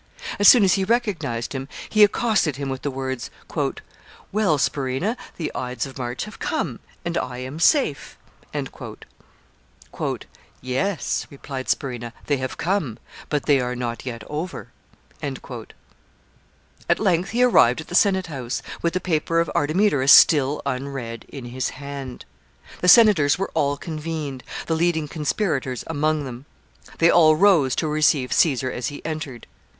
As soon as he recognized him, he accosted him with the words, "Well, Spurinna, the Ides of March have come, and I am safe." "Yes," replied Spurinna, "they have come, but they are not yet over." [Sidenote: Caesar arrives at the senate house.] At length he arrived at the senate house, with the paper of Artemidorus still unread in his hand. The senators were all convened, the leading conspirators among them. They all rose to receive Caesar as he entered.